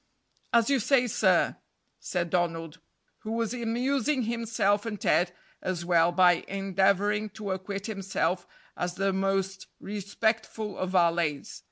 "As you say, sir," said Donald, who was amusing himself and Ted as well by endeavoring to acquit himself as the most respectful of valets.